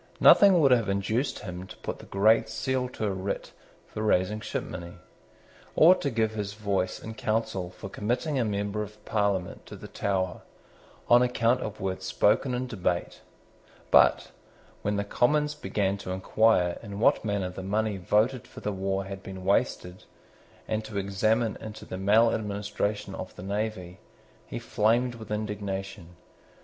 Nothing would have induced him to put the great seal to a writ for raising shipmoney, or to give his voice in Council for committing a member of Parliament to the Tower, on account of words spoken in debate: but, when the Commons began to inquire in what manner the money voted for the war had been wasted, and to examine into the maladministration of the navy, he flamed with indignation.